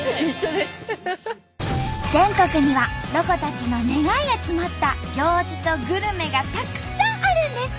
全国にはロコたちの願いが詰まった行事とグルメがたくさんあるんです。